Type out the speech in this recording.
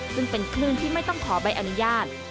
ซึ่งเป็นคลื่นที่ไม่ต้องขอใบอนุญาต